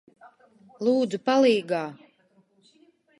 Lūdzu, palīgā!